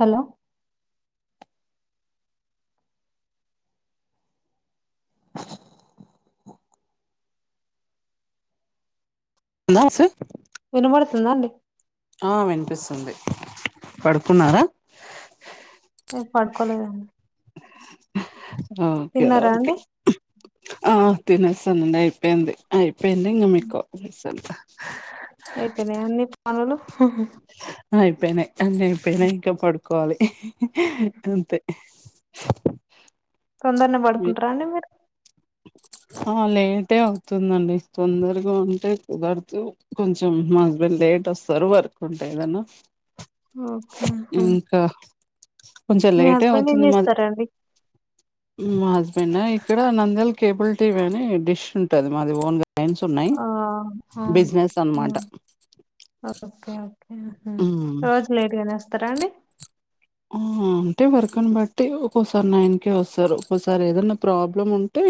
Hello నా sir వినబడుతుందా అండి. ఆ వినిపిస్తుంది పడుకున్నారా. ఏ పడుకోలేదండి, ఓకే తిన్నారా ఓకే అండి. ఆ తినేసానండి అయిపోయింది అయిపోయింది ఇంగా మీక్ కాల్ జేసాను. అ అయిపోయినా అన్ని పనులు అయిపోయినాయ్ అన్ని అయిపోయినాయ్ ఇంకా పడుకోవాలి అంతే కొందరనే మీ- పడుకుంటారా అండి మీర్ ఆ లేటే అవుతుందండి తొందరగా ఉంటే కుదర్దు కొంచెం మా హస్బెండ్ లేట్ వస్తరు వర్క్ ఉంటె ఏదన్న ఓకే హ్మ్. ఇంకా కొంచెం మీ లేటే హస్బెండ్ ఏం అవుతుంది మాది చేస్తారండి మా హస్బెండ్ ఇక్కడ నంద్యాల్ కేబుల్ టీ వీ అని డిష్ ఉంటది మాది ఓన్ గ లైన్స్ ఉన్నాయి ఆ అవును బిజినెస్ అనమాట హ్మ్. ఓకే ఓకే ఉమ్ రోజు లేట్గనే వస్తారా అండి అంటే వర్క్ ను బట్టి ఒక్కోసారి నైన్కే వస్తరు ఒక్కోసారి ఏదైనా ప్రాబ్లమ్ ఉంటే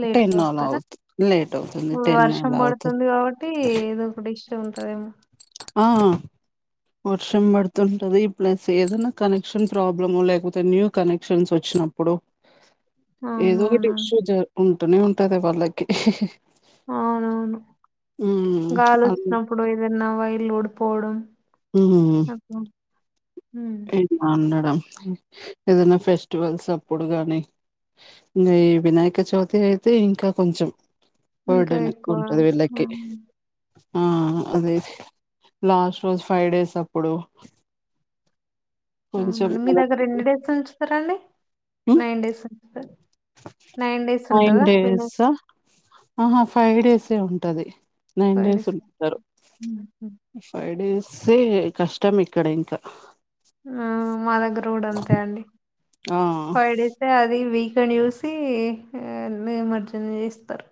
లేట్గ అలా వస్తరా అవుతు లేట్ అవుతుంది. వర్షం అలా అవుతుంది. పడుతుంది కాబట్ టీ ఏదో ఒక డిష్ ఉంటదేమో ఆ వర్షం పడుతుంటది ప్లస్ ఏదన్న కనెక్షన్ ప్రాబ్లము లేకపోతే న్యూ కనెక్షన్స్ వచ్చినప్పుడు హు ఏదో ఒకటి ఇష్యూ జ ఉంటనే ఉంటది వాళ్ళకి అవునవును హ్మ్. అది గాలొచ్చినప్పుడు ఏదన్న వైర్లు ఊడిపోవడం ఉమ్ హ్ అగ్గొ ఉమ్ మా అండడం ఏదన్న ఫెస్టివల్స్ అప్పుడు గాని ఇంగ ఈ వినాయక చవితి అయితే ఇంకా కొంచెం ఇంకా బర్డెన్ ఎక్కువ ఎక్కువుంటది వీళ్ళకి హ్మ్. ఆ అదే లాస్ట్ రోజు ఫైవ్ డేస్ అప్పుడు కొంచెం అవునండి మీ దగ్గర వాళ్ళకి ఎన్నిడేస్ ఉంచుతరండి హ్మ్. నైన్ డేస్ ఉంచుతరు నైన్ డేస్ ఉంటదా వినాయ్ డేసా? అహా ఫైవ్ డేసే ఉంటుంది నైన్ డేస్ ఉంచరు హుహు. ఫైవ్ డేసే కష్టం ఇక్కడ ఇంకా ఆ మా దగ్గర కూడ అంతే అండి ఆ టు డేసే అది వీకెండ్ చూసి ఆ నిమజ్జన చేస్తరు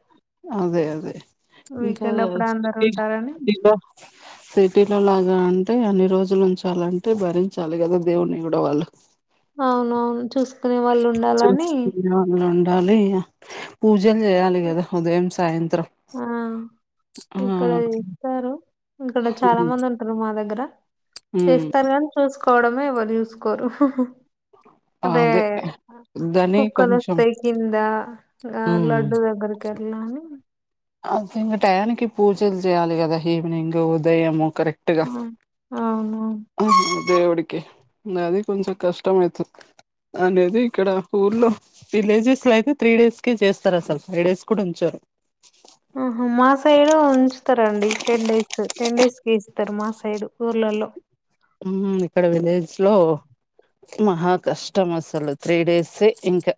అదే అదే ఇంకా [unintelligible] ఆ సిటీలో లాగా అంటే అన్ని రోజులు ఉంచాలంటే భరించాలి గదా దేవున్ని గూడ వాళ్ళు అవునవును చూస్ చూసుకునే వాళ్ళు ఉండాలి ఇగ పూజలు చేయాలి కదా ఉదయం సాయంత్రం ఆ ఆ! ఇక్కడ చేస్తారు ఇక్కడ చాలా హ్మ్. మంది ఉంటరు మా దగ్గర హ్మ్. చేస్తరు గన్ చూసుకోవడమే ఎవ్వరు చూసుకోరు అదే దాన్ని కొంచెం కుక్కలొస్తయ్ కింద ఆ హ్మ్. లడ్డు దగ్గరిక్ గట్లాని అ ఒకే ఇంగ టయానికి పూజలు చేయాలి కదా ఈవినింగ్ ఉదయము కరెక్ అవున్ అవునువును హ్ దేవుడికి అది కొంచెం కష్టం అయితద్ అనేసి ఇక్కడ ఊర్లో విలేజెస్ లయితే త్రీ డేస్ కి చేస్తరసలు, ఫైవ్ డేస్ కూడ ఉంచరు ఆహ మా సైడు ఉంచుతరండి టెన్ డేస్, టెన్ డేస్ కిస్తరు మా సైడు ఊర్లలో హు ఇక్కడ విలేజ్ లో మహా కష్టం అసలు త్రీ డేసే ఇంకా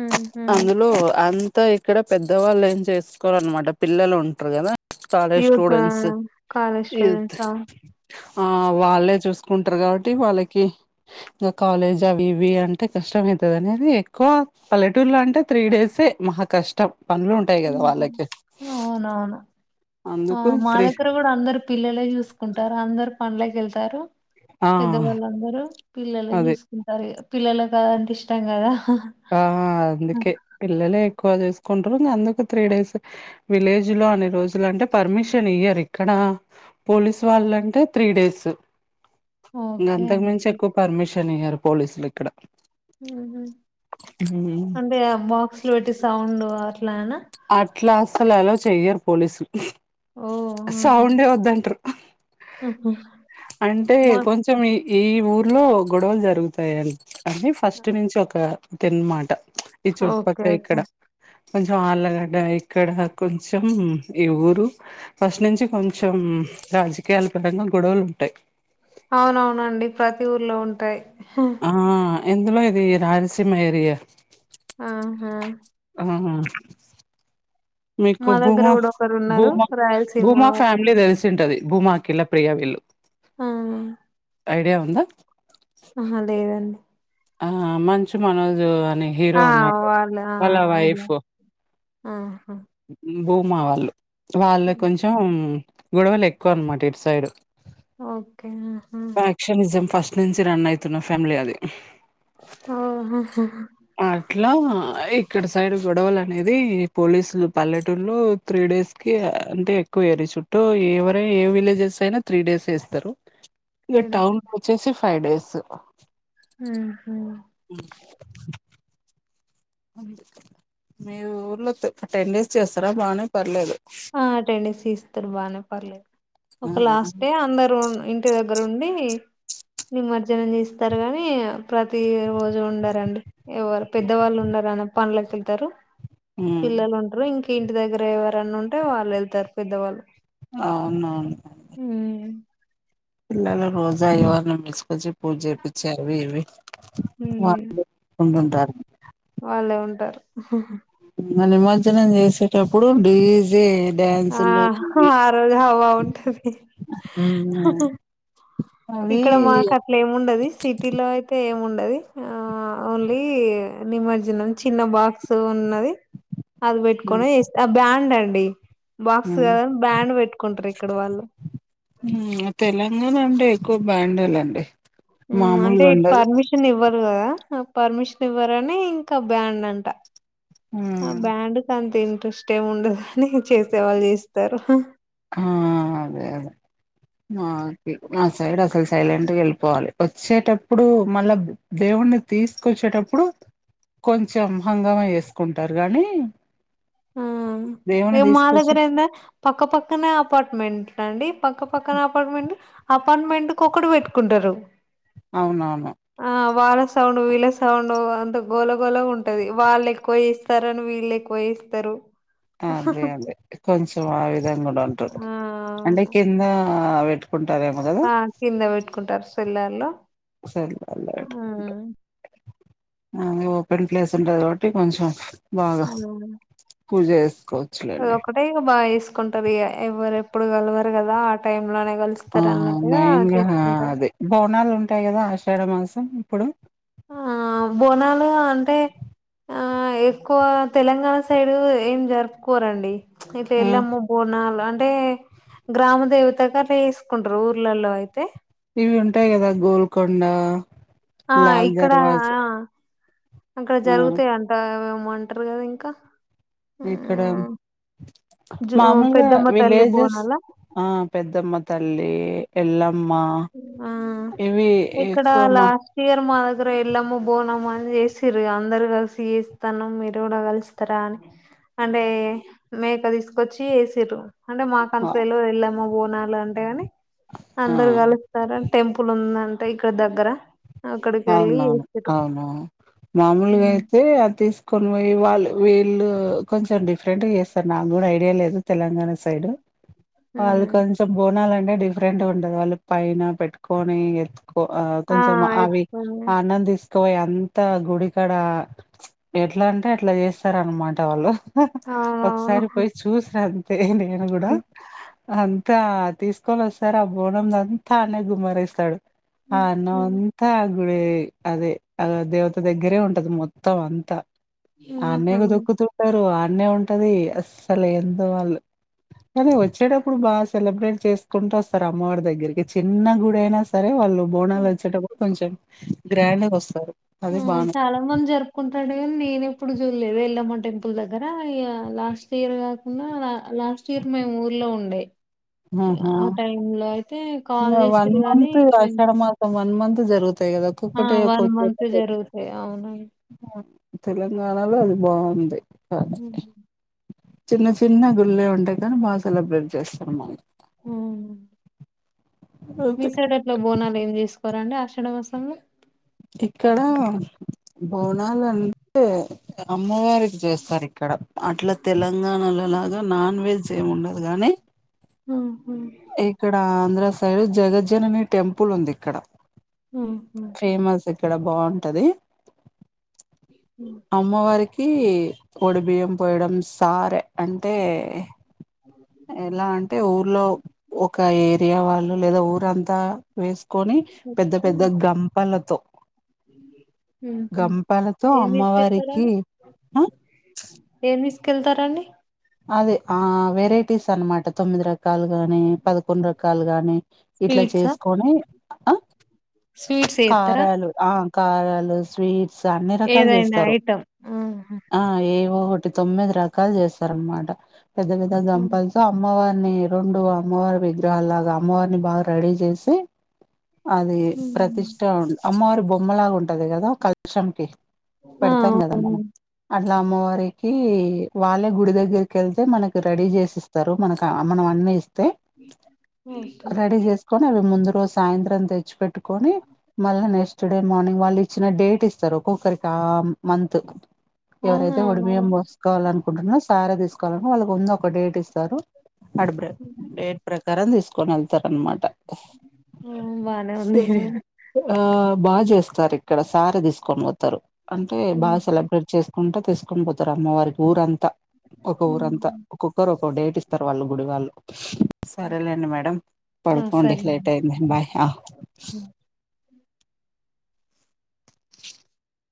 ఉహు అందులో అంతా ఇక్కడ పెద్దవాళ్ళు ఏం చేసుకోరనమాట పిల్లలు ఉంటారు కదా college youth students college youth స్టూడెంట్సా ఆ వాళ్ళే చూసుకుంటారు కాబట్టి వాళ్ళకి ఇంకా కాలేజ్ అవి ఇవి అంటే కష్టమ అవుతది అనేది ఎక్కువ పల్లె ట్టూర్లో అంటే త్రీ డేసే మహా కష్టం పనులు ఉంటాయి కదా వాళ్ళకి అవునవును ఆ అందుకు మా త్రీ దగ్గర కూడా అందరు పిల్లలే చూసుకుంటారు అందరు పనులకు వెళ్తారు ఆ పెద్దవాళ్ళందరూ పిల్లలు అదే చూసుకుంటారు పిల్లల క అదంటే ఇష్టం కదా ఆ అందుకే పిల్లలే ఎక్కువ చూసుకుంటారు ఇంకా అందుకు త్రీ డేస్ విలేజ్ లో అన్ని రోజులు అంటే పర్మిషన్ ఇయ్యరు ఇక్కడ పోలీసు వాళ్ళంటే త్రీ డేస్ ఇంకా ఓకే అంతకు మించి ఎక్కువ పర్మిషన్ అయ్యారు పోలీసులు ఇక్కడ ఉహు హు అంటే బాక్స్ లో పెట్టి సౌండ్ అట్లానా అట్లా అసలు అలో చెయ్యరు పోలీసులు ఓహ్! ఆహా! సౌండే వద్దంటారు ఆహా! అంటే మా కొంచం మీ ఈ ఊర్లో గొడవలు జరుగుతాయి అని ఫస్ట్ నుంచి ఒక తిన్నమాట ఈ ఓకే. చుట్టుపక్కల ఓకే. ఇక్కడ కొంచెం ఆళ్ల ఇక్కడ కొంచెం ఈ ఊరు ఫస్ట్ నుంచి కొంచెం రాజకీయాల పరంగా గొడవలు ఉంటాయి అవునవునండి ప్రతి ఊర్లో ఉంటాయి ఆ ఎందులో ఇది రాయలసీమ ఏరియా ఆహా ఆహా మీకు మా దగ్గర భూమా గూడా ఒకరున్నారు. భూమా రాయలసీమ భూమా వాళ్ళు. ఫ్యామిలీ తెలుస తింటది భూమా అఖిల ప్రియా వీళ్ళు ఆ ఐడియా ఉందా ఆహ లేదండి ఆ మంచు మనోజ్ అని ఆవాలా ఆ అడి ఆ భూమా వాళ్ళు వాళ్ళు కొంచెం గొడవలు ఎక్కువ అనమాట ఇటు సైడ్ ఓకే ఫ్యాక్షనిజం ఫస్ట్ నుంచి రన్ అయితున్న ఫ్యామిలీ అది ఓహోహో అట్లా ఇక్కడ సైడ్ గొడవలు అనేది పోలీసులు పల్లెటూరులో త్రీ డేస్ కి అంటే ఎక్కువ ఏర చుట్టూ ఎవరైనా ఏ విలేజెస్ అయినా త్రీ డేస్ వేస్తారు [inaudible] ఇక టౌన్ లో వచ్చేసి ఫైవ్ డేస్ ఉహు [unintelligible] మీ ఊర్లో టెన్ డేస్ చేస్తారా బానే పర్లేదు ఆ టెన్ డేస్ తీస్తారు బానే పర్లేదు ఒక లాస్ట్ డే అందరు ఉన్ ఇన్ ఇంటి దగ్గరూండి నిమజ్జనం చేస్తారు గాని ప్రతి రోజు ఉండారండి ఎవరు పెద్దవాళ్ళు ఉండారని పనులకు వెళ్తారు హ్మ్. పిల్లలు ఉంటరు ఇం ఇంటి దగ్గర ఎవరన్న ఉంటే వాళ్ళు వెళ్తారు పెద్దవాళ్ళు అవున మ్ పిల్లలను రోజు అయ్యగారులను పీల్చుకొచ్చి పూజ చేపిచ్చి అవి ఇవి వా ఉమ్ ఉంటుంటారు వాళ్ళే ఉంటారు నిమజ్జనం చేసేటప్పుడు డీజె ఆ ఆ రోజు అవ ఉంటది హ్మ్. అవి ఇక్కడ మాకు ఏముండది సిటీ లో అయితే ఏముండది ఆ ఓన్లీ నిమజ్జనం చిన్న బాక్స్ స్ ఉన్నది అది హ్మ్. పెట్టుకిని ఎస్ ఆ బ్యాండ్ అండి బాక్స్ కద్ హ్మ్. కని బ్యాండ్ పెట్టుకుంటారు ఇక్కడి వాళ్ళు మ్ తెలంగాణ అంటే ఎక్కువ బ్యాండే లెండి మామూలుగా ఉండదు షన్ ఇవ్వరు కదా పర్మిషన్ ఇవ్వరని ఇంకా బ్యాండ్ అంట ఆ హ్మ్. బ్యాండ్ కి అంత ఇంట్రెస్ట్ ఏమి ఉండదు కని చేసే వాళ్ళు చేస్తారు ఆ అదే అదే మా సైడ్ అసలు సైలెంట్గా వెళ్ళిపోవాలి వచ్చేటప్పుడు మళ్ళా దేవుణ్ణి తీసుకొచ్చేటప్పుడు కొంచెం హంగామ చేసుకుంటారు గాని ఆ ఇగ తీసుకొచ్చి మాదగ్గరందే పక్కపక్కనే అపార్ట్మెంట్అండి పక్క పక్కన అపార్ట్మెంట్ అపార్ట్మెంట్ కు ఒకటి పెట్టుకుంటారు అవునవును ఆ వాళ్ళ సౌండ్ వీళ్ళ సౌండ్ అంత గోల గోళగ ఉంటది వాళ్ళు ఎక్కువ చేస్తారని వీళ్ళు ఎక్కువ చేస్ తరు అదే అదే కొంచెం ఆ విధంగా కూడా ఉంటది ఆ అంటే అవును కింద అ పెట్టుకుంటారేమో కదా ఆ కింద పెట్టుకుంటారు సిల్లార్లో [unintelligible] అ ఓపెన్ ప్లేస్ ఉంటది కాబట్టి కొంచెం బాగా హ్మ్ పూజ చేసుకోవ చులేండి తె ఇగ బాగా చేసుకుంటారు ఇగ ఎవ్వరు ఎప్పుడు కలవరు కదా ఆ టైమ్ లనే కలుస్ ఆ స్తారన్నట్టుగా మెయిన్ గా తీసుకుంటారు అదే బోనాలు ఉంటాయి కదా ఆషాఢ మాసం ఇప్పుడు ఆ బోనాలు అంటే ఆ ఎక్కువ తెలంగాణ సైడ్ ఏం జరుపుకోరండి ఇట్ల ఆ ఎల్లమ్మ బోకోనాలు అంటే గ్రామ దేవతకట్లా చేసుకుంటరు ఊర్లలో అయితే ఇవి ఉంటాయి కదా గోల్కొండ ఆ లాల్ ఇక్కడ దర్వాజ్ ఆ అక్కడ జరుగుతాయంటా ఏమేమొ అంటారు కదా ఇంకా ఆ ఇక్కడ జూ మామూలుగా పెద్దమ్మ తల్లి విలేజెస్ బోనాల ఆ పెద్దమ్మ తల్లి ఎలమ్మ ఆ ఇవి ఎక్కువ మా తీర్ మా దగ్గర ఎల్లమ్మ బోనమాని చేసిరు అందరు కలిసి చేస్తానం మీరు కూడా కలిసి ఇస్తార అని అంటే మేకది తీసుకొచ్చి ఎసిరు అంటే మాకంత తెలవది ఎల్లమ్మ బోనాలు అంటే కాని అందరు ఆ కలుస్తారూ టెంపుల్ ఉందంటే ఇక్కడ దగ్గర అక్కడికి వెళ్ళి అవునవును చేసిర్రు అవునవును మామూలుగా అయితే అది తీసు కొన్ని వాళ్ళు వీళ్ళు కొంచెం డిఫరెంట్గా చేస్తారు నాకు కూడా ఐడియా లేదు తెలంగాణ సైడ్ వాళ్ళు కొంచెం బోనాలంటే డిఫరెంట్ ఉంటది వాళ్ళు పైన పెట్టుకొని ఎ ఆ కొంచెం అవి అన్నం తీసుకపోయి అంత గుడికాడ ఎట్లా అంటే అట్లా చేస్తారన్నమాట వాళ్ళు అవునవును ఒకసారి పోయి చూసినా అంతే నేను కూడా అంతా తీసుకోనీ వస్తారు ఆ బోనం అంతా ఆనే గుమ్మారేస్తారూ అనుంత ఇ అదే ఆ దేవత దగ్గరే ఉంటది మొత్తం అంతా అన్నయ్యకు ఆహా దొక్కుతుంటారు ఆ అన్నే ఉంటది అస్సలు ఎందో వాళ్ళు కానీ వచ్చేటప్పుడు బాగా సెలబ్రేట్ చేసుకుంటూ వస్తారు అమ్మవారి దగ్గరికి చిన్న గుడయినా సరే వాళ్ళు బోనాలు వచ్చేటపుడు కొంచెం గ్రాండ్ గా వస్తారు అది ఆ బానే చాలా మం జర కుంటాడ కాని నేను ఎప్పుడు చూడలేదు ఎల్లమ్మ టెంపుల్ దగ్గర లాస్ట్ ఇయర్ కాకుండా లాస్ట్ లాస్ట్ ఇయర్ మేము ఊర్లో ఉండే ఆహా! ఆ టైమ్ లో అయితే కాల్ చేస్తారు గానీ వన్ మంత్ జరుగుతాయి కదా ఆ ఒక్కొక్కటి ఒక్కో వన్ చోట మంత్ జరుగుతాయి తెలంగాణలో అది బాగుంది ఉమ్. చిన్న చిన్న గుళ్ళె ఉంటేయి కానీ బాగా సెలబ్రేట్ చేస్తారు మనకి ఉ మీ అంతే. సైడ్ ఎట్లా బోనాలు ఏం చేసుకోరండి ఆషాఢ మాసంలో ఇక్కడ బోనాలు అంటే అమ్మగారికి చేస్తారు ఇక్కడ అట్లా తెలంగాణలో లాగా నాన్ వెజ్ ఏమి ఉండదు కానీ ఊహూ ఇక్కడ ఆంధ్ర సైడ్ జగజ్జనని టెంపుల్ ఉంది ఇక్కడ ఊ ఫేమస్ ఇక్కడ బాగుంటది అమ్మవారికి ఒడి బియ్యం పోయడం సారే అంటే ఎలా అంటే ఊర్లో ఒక ఏరియా వాళ్ళు లేదా ఊరంతా వేసుకొని ఉహు పెద్ద పెద్ద గంపలతో ఉహు గంపలతో ఏం తీసుకెళ్తారు ఆడ అమ్మవారికి ఆ ఏం తీసుకెళ్తారండి అదే ఆ వెరైటీస్ అనమాట తొమ్మిది రకాలు గాని పదకొండు రకాలు గాని ఇట్లా స్వీట్సా చేసుకొని ఆ స్వీట్స్ చేత్తరా కారాలు ఆ కారాలు స్వీట్స్ అన్ని రకాలు ఏదైనా జేస్తారు ఐటమ్ ఆహా ఆ ఏవొ ఒటి తొమ్మిది రకాలు జేస్సరన్మాట పెద్ద పెద్ద గంప్పల్ తో అమ్మవార్ని రోండు అమ్మవారి విగ్రహాల్ లాగా అమ్మవార్ని బాగా రెడీ జేసి అది ఉహు ప్రతిష్ట ఉన్ అమ్మవారి బొమ్మలాగా ఉంటది గదా కల్షంకి ఆ పెడ్తాం గదా అవును మనం అ ఇలా అమ్మవారికీ వాళ్ళే గుడి దగ్గర్కెళ్తే మనక్ రడీ జేసిస్తారు మనక మనము అని ఇస్తే ఓకే రడీ జెస్ కొని అవి ముందు రోజు సాయింత్రం తెచ్చిపెట్టుకొని మళ్ళ నెస్ట్ డే మార్నింగ్ వాళ్ళు ఇచ్చిన డేట్ ఇస్తారు ఒక్కొక్కరికి ఆ మంత్ అవునా ఎవరైతే ఒడిబియ్యం బోస్కోవాలి అనుకుంటున్న సారా దిస్కోవాలనీ వాళ్ళకు ఉంద ఒక డేట్ ఇస్తారు. అడ్ బ్రే డేట్ ప్రకారం దిస్కోని ఎళ్తార్ అన్మాట ఉమ్ బానే ఉంది ఆ బాజేస్తారు ఇక్కడ సారె దిస్కొని బోతారు అంటే ఉమ్, బాసెలబ్రేట్ చేస్ కుంట తీస్కొని పోతారు అమ్మవార్కి ఊరంతా ఒక ఊరంతా ఉమ్. ఒక్కొక్కరు ఒక డేట్ ఇస్తారు వాళ్ళు గుడి వాళ్ళు సరేలేండి మేడం ఆ పడుకోండి సరే లేట్ అయింది బాయ్ హా అండి